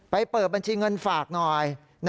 เปิดบัญชีเงินฝากหน่อย